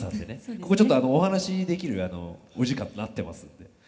ここちょっとお話しできるお時間となってますんで。